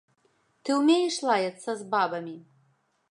Ты ўмееш лаяцца з бабамі?